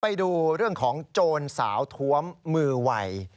ไปดูเรื่องของโจรสาวท้วมมือวัย